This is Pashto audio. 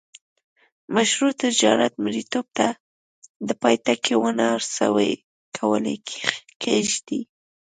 مشروع تجارت مریتوب ته د پای ټکی ونه سوای کولای کښيږدي.